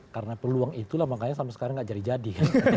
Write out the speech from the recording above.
karena peluang itulah makanya sampai sekarang nggak jadi jadi